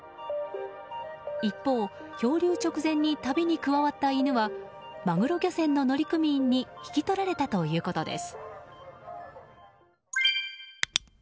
一方、漂流直前に旅に加わった犬はマグロ漁船の乗組員に引き取られたということです。